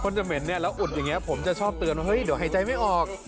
จะเหม็นเนี่ยแล้วอุดอย่างนี้ผมจะชอบเตือนว่าเฮ้ยเดี๋ยวหายใจไม่ออก